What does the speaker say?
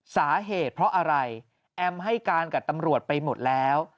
สาเหตุเพราะอะไรแอมให้การกับตำรวจไปหมดแล้ว